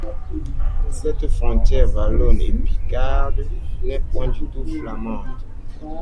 Cette frontière wallone et picarde n'est point du tout flamande.